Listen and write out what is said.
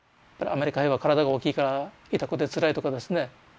アメリカ兵は体が大きいから痛くてつらいとかですね。